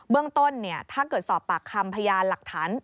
เรื่องต้นถ้าเกิดสอบปากคำพยานหลักฐาน